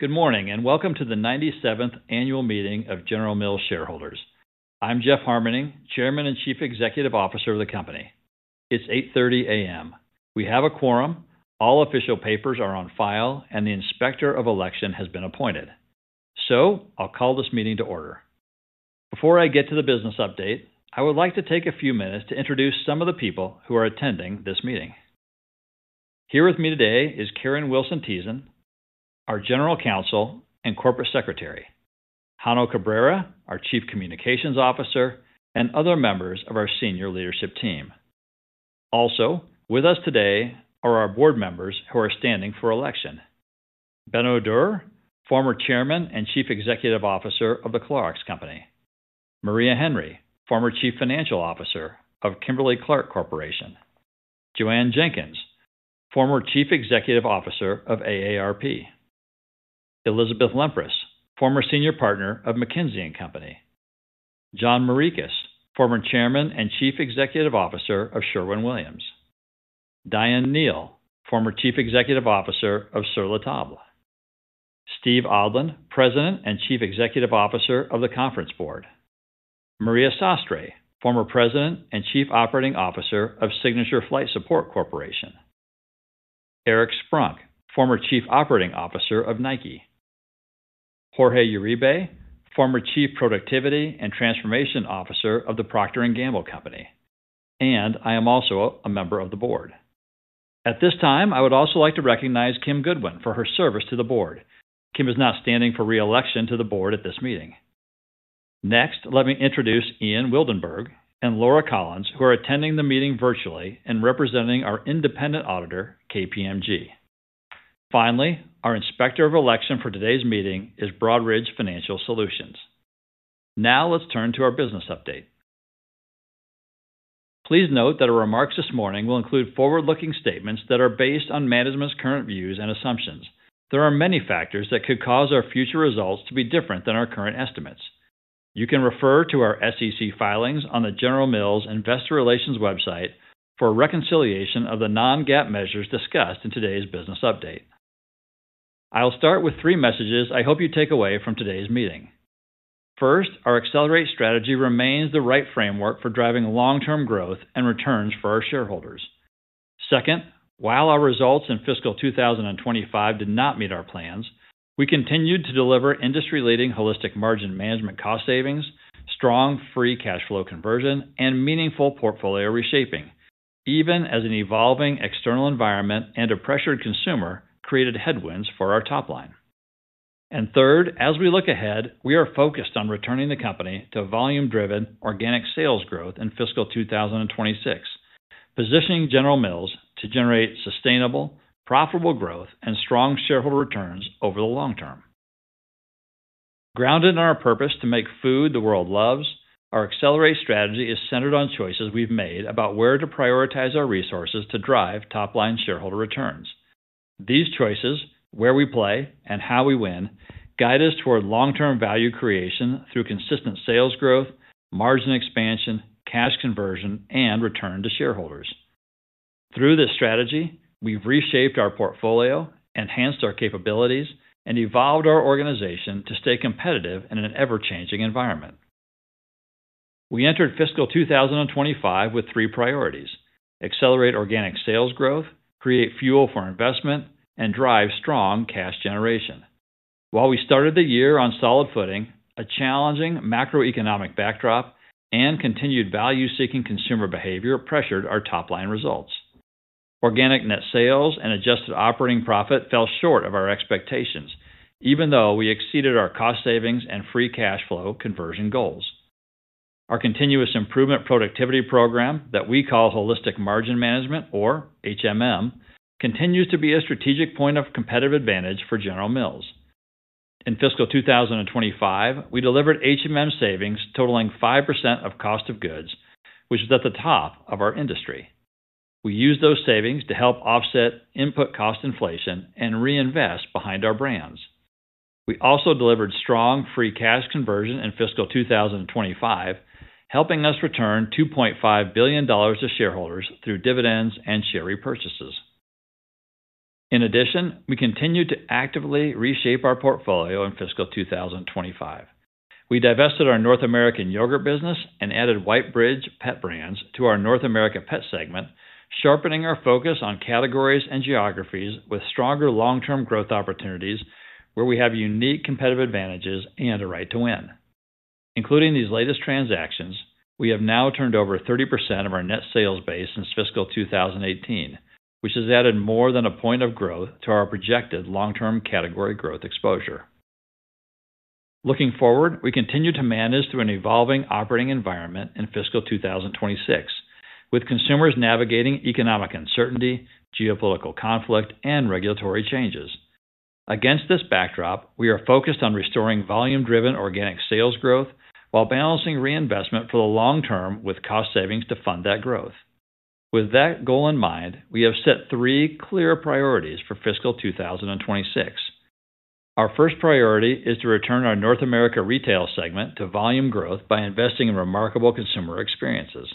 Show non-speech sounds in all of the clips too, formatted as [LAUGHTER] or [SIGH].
Good morning and welcome to the 97th Annual Meeting of General Mills Shareholders. I'm Jeff Harmening, Chairman and Chief Executive Officer of the company. It's 8:30 A.M. We have a quorum, all official papers are on file, and the Inspector of Election has been appointed. I'll call this meeting to order. Before I get to the business update, I would like to take a few minutes to introduce some of the people who are attending this meeting. Here with me today is Karen Wilson Thissen, our General Counsel and Corporate Secretary, Jano Cabrera, our Chief Communications Officer, and other members of our Senior Leadership Team. Also with us today are our Board members who are standing for election: [Ben O'Doer], former Chairman and Chief Executive Officer of; [INAUDIBLE] Maria Henry, former Chief Financial Officer of Kimberly-Clark Corporation; Jo Ann Jenkins, former Chief Executive Officer of AARP; Elizabeth Lempres, former Senior Partner of McKinsey & Company; John Morikis, former Chairman and Chief Executive Officer of Sherwin-Williams; Diane Neal, former Chief Executive Officer of Sur La Table; Steve Odland, President and Chief Executive Officer of The Conference Board; Maria Sastre, former President and Chief Operating Officer of Signature Flight Support Corporation; Eric Sprunk, former Chief Operating Officer of Nike; Jorge Uribe, former Chief Productivity and Transformation Officer of the Procter & Gamble Company; and I am also a member of the Board. At this time, I would also like to recognize Kim Goodwin for her service to the Board. Kim is now standing for reelection to the Board at this meeting. Next, let me introduce Ian [INAUDIBLE] and Laura Collins, who are attending the meeting virtually and representing our Independent Auditor, KPMG. Finally, our Inspector of Election for today's meeting is Broadridge Financial Solutions. Now, let's turn to our business update. Please note that our remarks this morning will include forward-looking statements that are based on management's current views and assumptions. There are many factors that could cause our future results to be different than our current estimates. You can refer to our SEC filings on the General Mills Investor Relations website for a reconciliation of the non-GAAP measures discussed in today's business update. I'll start with three messages I hope you take away from today's meeting. First, our Accelerate strategy remains the right framework for driving long-term growth and returns for our shareholders. Second, while our results in fiscal 2025 did not meet our plans, we continued to deliver industry-leading Holistic Margin Management cost savings, strong free cash flow conversion, and meaningful portfolio reshaping, even as an evolving external environment and a pressured consumer created headwinds for our top line. Third, as we look ahead, we are focused on returning the company to volume-driven, organic sales growth in fiscal 2026, positioning General Mills to generate sustainable, profitable growth and strong shareholder returns over the long-term. Grounded in our purpose to make food the world loves, our Accelerate strategy is centered on choices we've made about where to prioritize our resources to drive top-line shareholder returns. These choices, where we play and how we win, guide us toward long-term value creation through consistent sales growth, margin expansion, cash conversion, and return to shareholders. Through this strategy, we've reshaped our portfolio, enhanced our capabilities, and evolved our organization to stay competitive in an ever-changing environment. We entered fiscal 2025 with three priorities: accelerate organic sales growth, create fuel for investment, and drive strong cash generation. While we started the year on solid footing, a challenging macro-economic backdrop and continued value-seeking consumer behavior pressured our top-line results. Organic net sales and adjusted operating profit fell short of our expectations, even though we exceeded our cost savings and free cash flow conversion goals. Our Continuous Improvement Productivity Program, that we call Holistic Margin Management or HMM, continues to be a strategic point of competitive advantage for General Mills. In fiscal 2025, we delivered HMM savings totaling 5% of cost of goods, which is at the top of our industry. We used those savings to help offset input cost inflation and reinvest behind our brands. We also delivered strong free cash conversion in fiscal 2025, helping us return $2.5 billion to shareholders through dividends and share repurchases. In addition, we continued to actively reshape our portfolio in fiscal 2025. We divested our North America yogurt business and added Whitebridge Pet Brands to our North America Pet segment, sharpening our focus on categories and geographies with stronger long-term growth opportunities where we have unique competitive advantages and a right to win. Including these latest transactions, we have now turned over 30% of our net sales base since fiscal 2018, which has added more than a point of growth to our projected long-term category growth exposure. Looking forward, we continue to manage through an evolving operating environment in fiscal 2026, with consumers navigating economic uncertainty, geopolitical conflict, and regulatory changes. Against this backdrop, we are focused on restoring volume-driven organic sales growth while balancing reinvestment for the long-term with cost savings to fund that growth. With that goal in mind, we have set three clear priorities for fiscal 2026. Our first priority is to return our North America Retail segment to volume growth by investing in remarkable consumer experiences.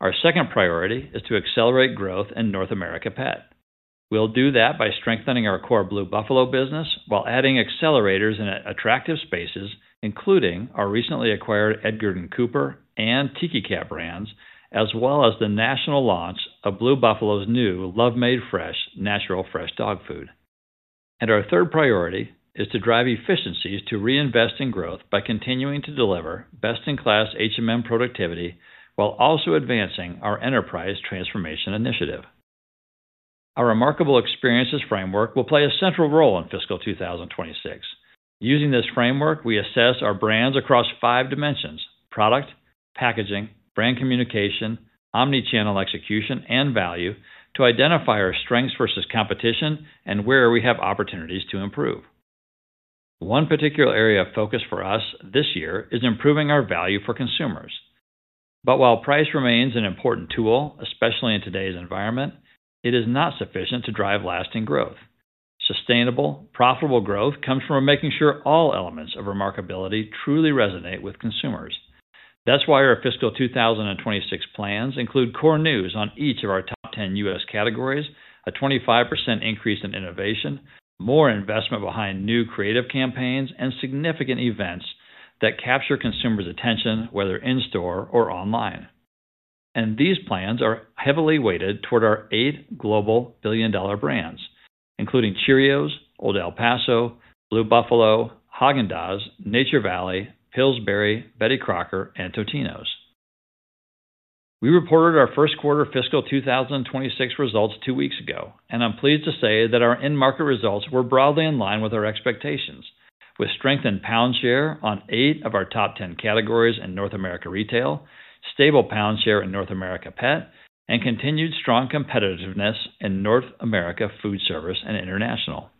Our second priority is to accelerate growth in North America Pet. We will do that by strengthening our core Blue Buffalo business while adding accelerators in attractive spaces, including our recently acquired Edgard & Cooper and Tiki Cat brands, as well as the national launch of Blue Buffalo's new Love Made Fresh natural fresh dog food. Our third priority is to drive efficiencies to reinvest in growth by continuing to deliver best-in-class HMM productivity while also advancing our Enterprise Transformation Initiative. Our Remarkable Experiences Framework will play a central role in fiscal 2026. Using this framework, we assess our brands across five dimensions: product, packaging, brand communication, omnichannel execution, and value to identify our strengths versus competition and where we have opportunities to improve. One particular area of focus for us this year is improving our value for consumers. While price remains an important tool, especially in today's environment, it is not sufficient to drive lasting growth. Sustainable, profitable growth comes from making sure all elements of remarkability truly resonate with consumers. That is why our fiscal 2026 plans include core news on each of our top 10 U.S. categories, a 25% increase in innovation, more investment behind new creative campaigns, and significant events that capture consumers' attention, whether in-store or online. These plans are heavily weighted toward our eight global billion-dollar brands, including Cheerios, Old El Paso, Blue Buffalo, Häagen-Dazs, Nature Valley, Pillsbury, Betty Crocker, and Totino’s. We reported our first quarter fiscal 2026 results two weeks ago, and I'm pleased to say that our end market results were broadly in line with our expectations, with strength in pound share on eight of our top 10 categories in North America Retail, stable pound share in North America Pet, and continued strong competitiveness in North America Foodservice and International.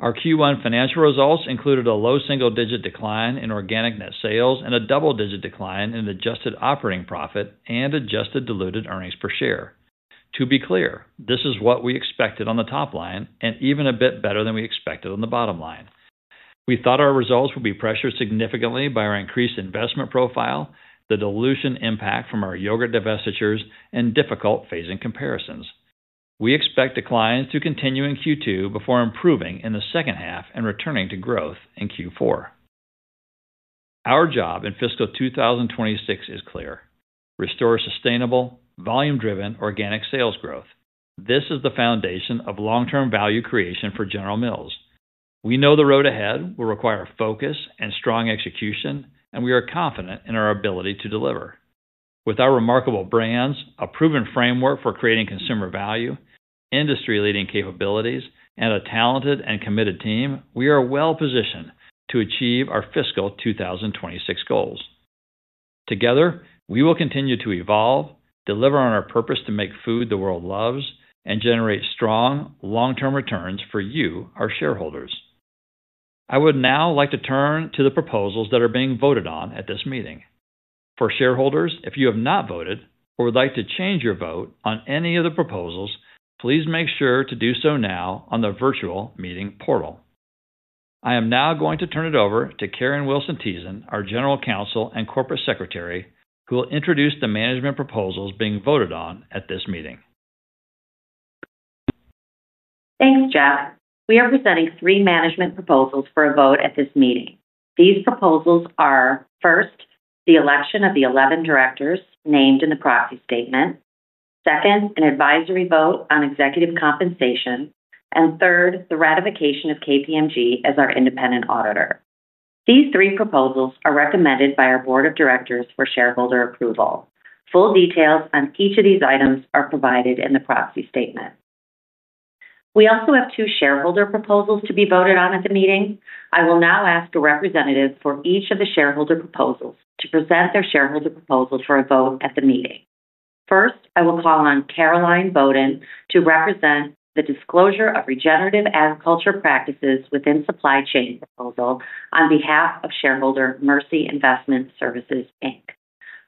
Our Q1 financial results included a low single-digit decline in organic net sales and a double-digit decline in adjusted operating profit and adjusted diluted earnings per share. To be clear, this is what we expected on the top line, and even a bit better than we expected on the bottom line. We thought our results would be pressured significantly by our increased investment profile, the dilution impact from our yogurt divestitures, and difficult phasing comparisons. We expect declines to continue in Q2 before improving in the second half and returning to growth in Q4. Our job in fiscal 2026 is clear: restore sustainable, volume-driven organic sales growth. This is the foundation of long-term value creation for General Mills. We know the road ahead will require focus and strong execution, and we are confident in our ability to deliver. With our remarkable brands, a proven framework for creating consumer value, industry-leading capabilities, and a talented and committed team, we are well-positioned to achieve our fiscal 2026 goals. Together, we will continue to evolve, deliver on our purpose to make food the world loves, and generate strong, long-term returns for you, our shareholders. I would now like to turn to the proposals that are being voted on at this meeting. For shareholders, if you have not voted or would like to change your vote on any of the proposals, please make sure to do so now on the virtual meeting portal. I am now going to turn it over to Karen Wilson Thissen, our General Counsel and Corporate Secretary, who will introduce the management proposals being voted on at this meeting. Thanks, Jeff. We are presenting three management proposals for a vote at this meeting. These proposals are: first, the election of the 11 directors named in the proxy statement, second, an advisory vote on executive compensation, and third, the ratification of KPMG as our independent auditor. These three proposals are recommended by our Board of Directors for shareholder approval. Full details on each of these items are provided in the proxy statement. We also have two shareholder proposals to be voted on at the meeting. I will now ask a representative from each of the shareholder proposals to present their shareholder proposals for a vote at the meeting. First, I will call on Caroline Boden to represent the disclosure of regenerative agriculture practices within supply chain proposal on behalf of shareholder Mercy Investment Services, Inc.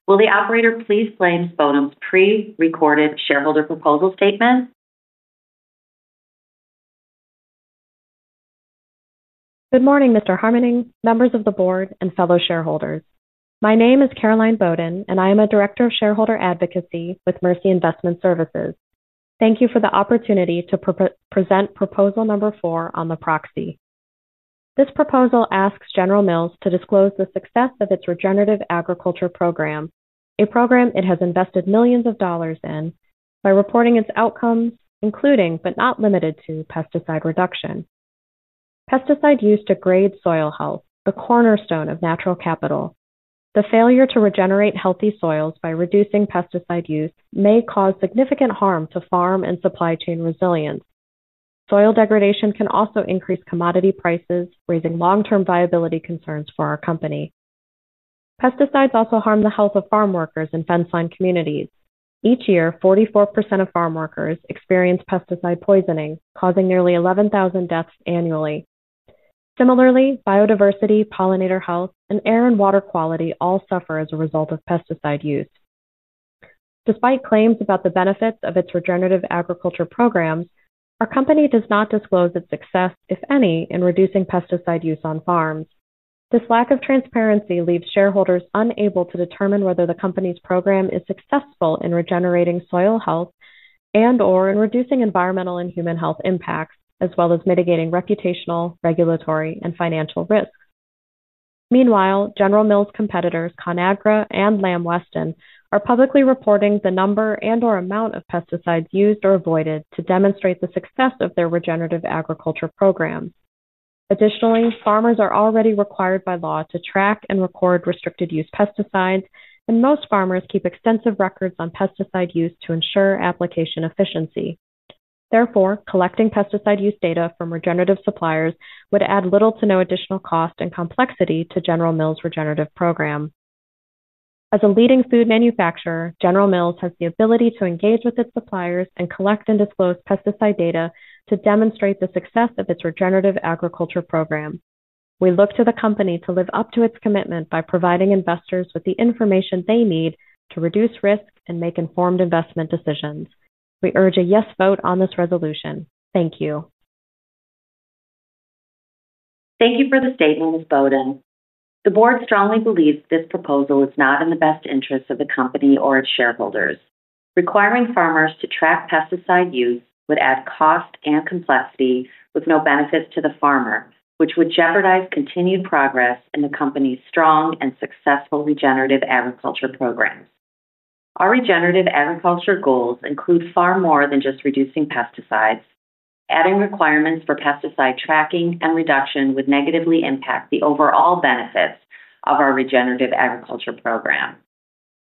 Will the operator please place Boden's pre-recorded shareholder proposal statement? Good morning, Mr. Harmening, members of the Board, and fellow shareholders. My name is Caroline Boden, and I am a Director of Shareholder Advocacy with Mercy Investment Services. Thank you for the opportunity to present Proposal No. 4 on the proxy. This proposal asks General Mills to disclose the success of its regenerative agriculture program, a program it has invested millions of dollars in, by reporting its outcomes, including but not limited to pesticide reduction. Pesticide use degrades soil health, the cornerstone of natural capital. The failure to regenerate healthy soils by reducing pesticide use may cause significant harm to farm and supply chain resilience. Soil degradation can also increase commodity prices, raising long-term viability concerns for our company. Pesticides also harm the health of farmworkers in fenceline communities. Each year, 44% of farmworkers experience pesticide poisoning, causing nearly 11,000 deaths annually. Similarly, biodiversity, pollinator health, and air and water quality all suffer as a result of pesticide use. Despite claims about the benefits of its regenerative agriculture program, our company does not disclose its success, if any, in reducing pesticide use on farms. This lack of transparency leaves shareholders unable to determine whether the company's program is successful in regenerating soil health and/or in reducing environmental and human health impacts, as well as mitigating reputational, regulatory, and financial risks. Meanwhile, General Mills' competitors Conagra and Lamb Weston are publicly reporting the number and/or amount of pesticides used or avoided to demonstrate the success of their regenerative agriculture program. Additionally, farmers are already required by law to track and record restricted-use pesticides, and most farmers keep extensive records on pesticide use to ensure application efficiency. Therefore, collecting pesticide use data from regenerative suppliers would add little to no additional cost and complexity to General Mills' regenerative program. As a leading food manufacturer, General Mills has the ability to engage with its suppliers and collect and disclose pesticide data to demonstrate the success of its regenerative agriculture program. We look to the company to live up to its commitment by providing investors with the information they need to reduce risk and make informed investment decisions. We urge a yes vote on this resolution. Thank you. Thank you for the statement, Ms. Boden. The Board strongly believes this proposal is not in the best interests of the company or its shareholders. Requiring farmers to track pesticide use would add cost and complexity, with no benefits to the farmer, which would jeopardize continued progress in the company's strong and successful regenerative agriculture program. Our regenerative agriculture goals include far more than just reducing pesticides. Adding requirements for pesticide tracking and reduction would negatively impact the overall benefits of our regenerative agriculture program.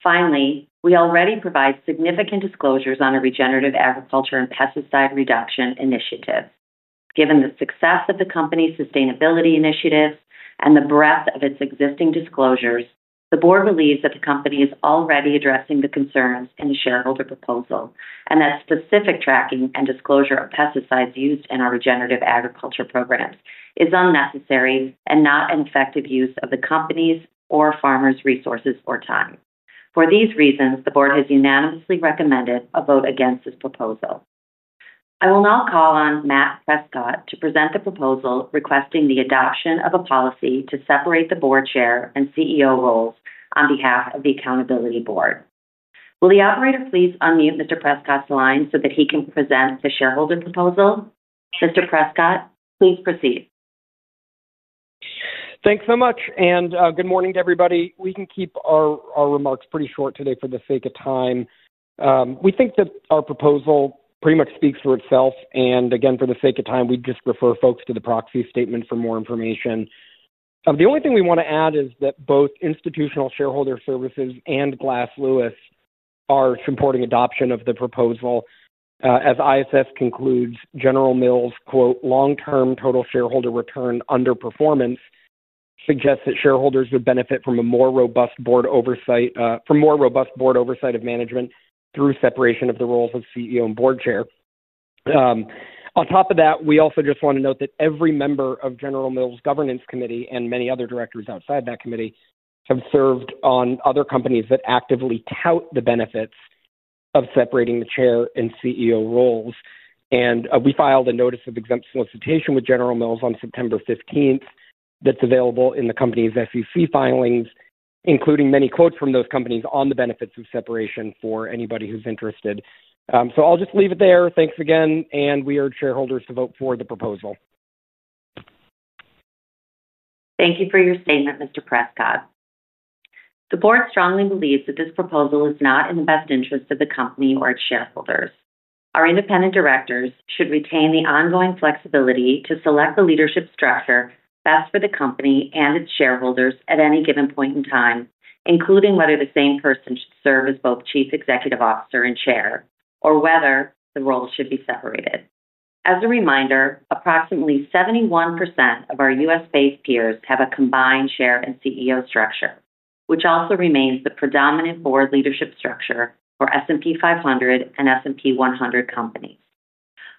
Finally, we already provide significant disclosures on a regenerative agriculture and pesticide reduction initiative. Given the success of the company's sustainability initiative and the breadth of its existing disclosures, the Board believes that the company is already addressing the concerns in the shareholder proposal and that specific tracking and disclosure of pesticides used in our regenerative agriculture programs is unnecessary and not an effective use of the company's or farmers' resources or time. For these reasons, the Board has unanimously recommended a vote against this proposal. I will now call on Matt Prescott to present the proposal requesting the adoption of a policy to separate the Board Chair and CEO roles on behalf of The Accountability Board. Will the operator please unmute Mr. Prescott's line so that he can present the shareholder proposal? Mr. Prescott, please proceed. Thanks so much, and good morning to everybody. We can keep our remarks pretty short today for the sake of time. We think that our proposal pretty much speaks for itself, and again, for the sake of time, we'd just refer folks to the proxy statement for more information. The only thing we want to add is that both Institutional Shareholder Services and Glass Lewis are supporting adoption of the proposal. As ISS concludes, General Mills' "long-term total shareholder return underperformance" suggests that shareholders would benefit from a more robust Board oversight of management through separation of the roles of CEO and Board Chair. On top of that, we also just want to note that every member of General Mills' Governance Committee and many other directors outside that committee have served on other companies that actively tout the benefits of separating the Chair and CEO roles. We filed a notice of exempt solicitation with General Mills on September 15th that's available in the company's SEC filings, including many quotes from those companies on the benefits of separation for anybody who's interested. I'll just leave it there. Thanks again, and we urge shareholders to vote for the proposal. Thank you for your statement, Mr. Prescott. The Board strongly believes that this proposal is not in the best interests of the company or its shareholders. Our Independent Directors should retain the ongoing flexibility to select the leadership structure best for the company and its shareholders at any given point in time, including whether the same person should serve as both Chief Executive Officer and Chair, or whether the roles should be separated. As a reminder, approximately 71% of our U.S.-based peers have a combined Chair and CEO structure, which also remains the predominant Board leadership structure for S&P 500 and S&P 100 companies.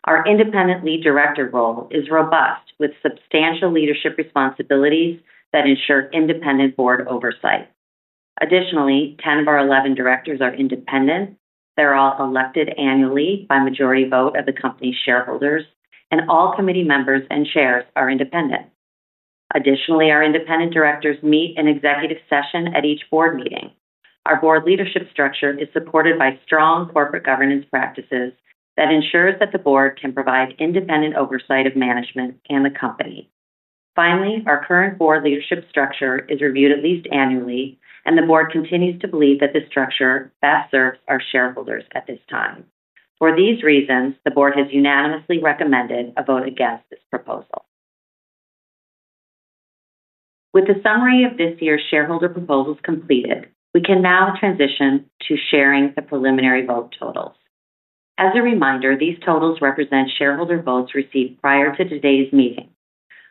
Our Independent Lead Director role is robust, with substantial leadership responsibilities that ensure Independent Board oversight. Additionally, 10 of our 11 directors are independent. They're all elected annually by majority vote of the company's shareholders, and all committee members and chairs are independent. Additionally, our Independent Directors meet in executive session at each Board meeting. Our Board leadership structure is supported by strong corporate governance practices that ensure that the Board can provide independent oversight of management and the company. Finally, our current Board leadership structure is reviewed at least annually, and the Board continues to believe that this structure best serves our shareholders at this time. For these reasons, the Board has unanimously recommended a vote against this proposal. With the summary of this year's shareholder proposals completed, we can now transition to sharing the preliminary vote totals. As a reminder, these totals represent shareholder votes received prior to today's meeting.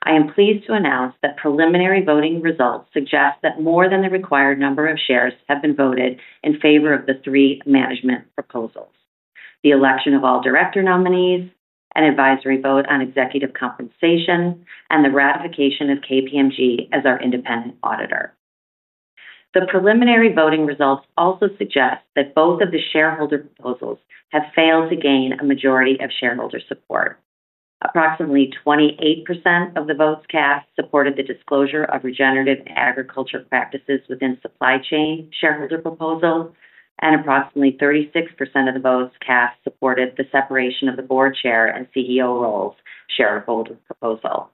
I am pleased to announce that preliminary voting results suggest that more than the required number of shares have been voted in favor of the three management proposals: the election of all director nominees, an advisory vote on executive compensation, and the ratification of KPMG as our Independent Auditor. The preliminary voting results also suggest that both of the shareholder proposals have failed to gain a majority of shareholder support. Approximately 28% of the votes cast supported the disclosure of regenerative agriculture practices within supply chain shareholder proposals, and approximately 36% of the votes cast supported the separation of the Board Chair and CEO roles shareholder proposal.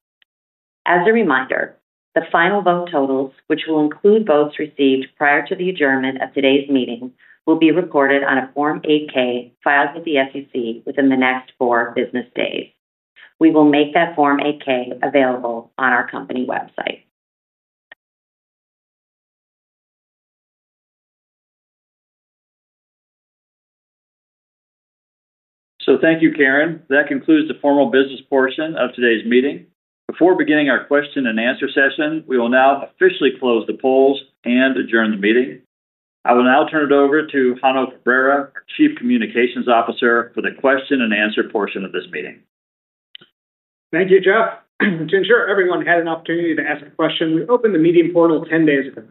As a reminder, the final vote totals, which will include votes received prior to the adjournment of today's meeting, will be reported on a Form 8-K filed with the SEC within the next four business days. We will make that Form 8-K available on our company website. Thank you, Karen. That concludes the formal business portion of today's meeting. Before beginning our question and answer session, we will now officially close the polls and adjourn the meeting. I will now turn it over to Jano Cabrera, our Chief Communications Officer, for the question and answer portion of this meeting. Thank you, Jeff. To ensure everyone had an opportunity to ask a question, we opened the meeting portal 10 days ago.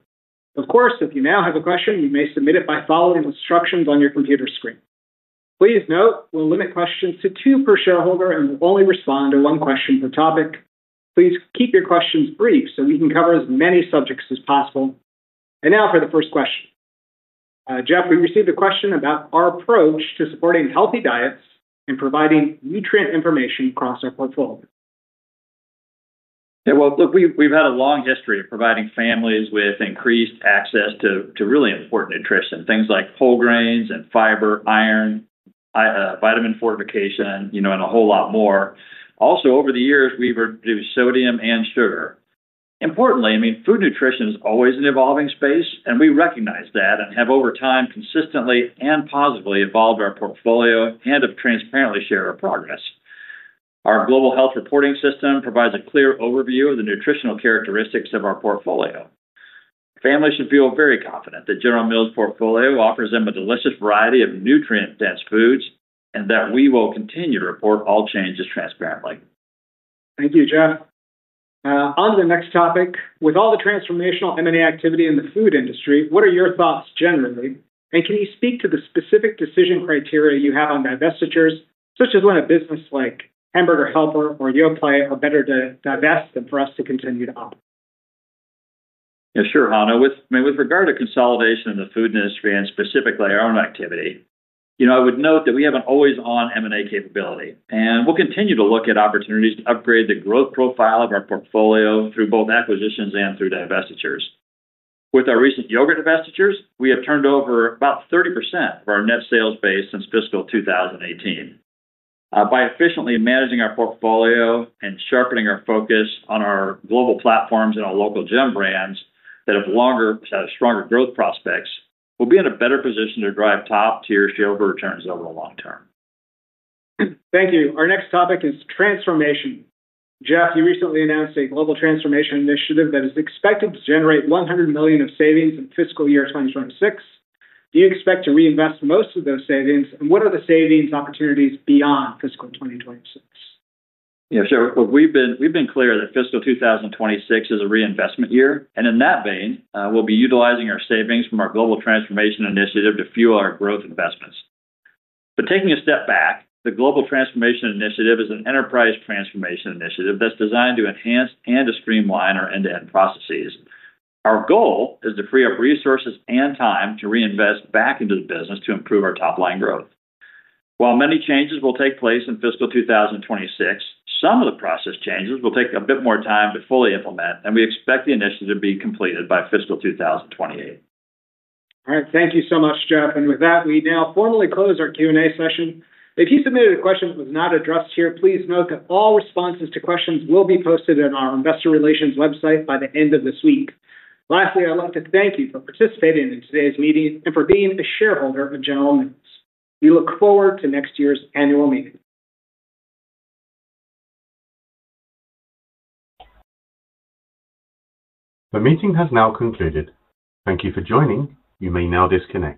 Of course, if you now have a question, you may submit it by following the instructions on your computer screen. Please note, we will limit questions to two per shareholder and will only respond to one question per topic. Please keep your questions brief so we can cover as many subjects as possible. Now for the first question. Jeff, we received a question about our approach to supporting healthy diets and providing nutrient information across our portfolio. Look, we've had a long history of providing families with increased access to really important nutrition, things like whole grains and fiber, iron, vitamin fortification, and a whole lot more. Over the years, we've reduced sodium and sugar. Importantly, food nutrition is always an evolving space, and we recognize that and have over time consistently and positively evolved our portfolio and have transparently shared our progress. Our global health reporting system provides a clear overview of the nutritional characteristics of our portfolio. Families should feel very confident that General Mills' portfolio offers them a delicious variety of nutrient-dense foods and that we will continue to report all changes transparently. Thank you, Jeff. On to the next topic. With all the transformational M&A activity in the food industry, what are your thoughts generally, and can you speak to the specific decision criteria you have on divestitures, such as when a business like Hamburger Helper or Yoplait are better to divest than for us to continue to operate? Yeah, sure, Jano. With regard to consolidation in the food industry and specifically our own activity, you know, I would note that we have an always-on M&A capability, and we'll continue to look at opportunities to upgrade the growth profile of our portfolio through both acquisitions and through divestitures. With our recent yogurt divestitures, we have turned over about 30% of our net sales base since fiscal 2018. By efficiently managing our portfolio and sharpening our focus on our global platforms and our local gem brands that have longer, stronger growth prospects, we'll be in a better position to drive top-tier shareholder returns over the long-term. Thank you. Our next topic is transformation. Jeff, you recently announced a global transformation initiative that is expected to generate $100 million of savings in fiscal year 2026. Do you expect to reinvest most of those savings, and what are the savings opportunities beyond fiscal 2026? Yeah, sure. We've been clear that fiscal 2026 is a reinvestment year, and in that vein, we'll be utilizing our savings from our global transformation initiative to fuel our growth investments. Taking a step back, the global transformation initiative is an enterprise transformation initiative that's designed to enhance and to streamline our end-to-end processes. Our goal is to free up resources and time to reinvest back into the business to improve our top-line growth. While many changes will take place in fiscal 2026, some of the process changes will take a bit more time to fully implement, and we expect the initiative to be completed by fiscal 2028. All right, thank you so much, Jeff. With that, we now formally close our Q&A session. If you submitted a question that was not addressed here, please note that all responses to questions will be posted on our Investor Relations website by the end of this week. Lastly, I'd like to thank you for participating in today's meeting and for being a shareholder of General Mills. We look forward to next year's annual meeting. The meeting has now concluded. Thank you for joining. You may now disconnect.